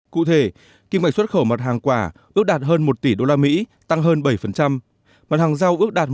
cụ thể kim ngạch xuất khẩu mặt hàng quả ước đạt hơn một tỷ usd tăng hơn bảy mặt hàng rau ước đạt